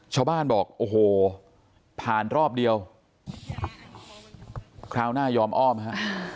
ชาวบ้านบอกโอ้โหผ่านรอบเดียวคราวหน้ายอมอ้อมฮะ